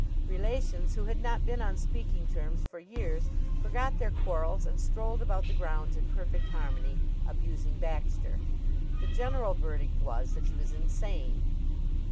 Relations who had not been on speaking terms for years forgot their quarrels and strolled about the grounds in perfect harmony, abusing Baxter. The general verdict was that he was insane.